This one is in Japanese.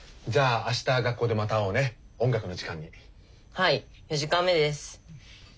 はい４時間目です。